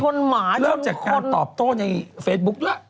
คนหมาจริงเลิกจากการตอบโทษในเฟซบุ๊คแล้ว